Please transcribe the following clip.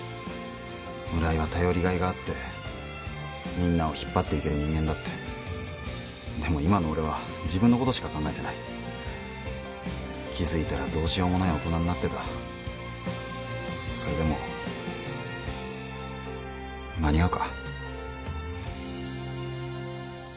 村井は頼りがいがあってみんなを引っ張っていける人間だってでも今の俺は自分のことしか考えてない気づいたらどうしようもない大人になってたそれでも間に合うか？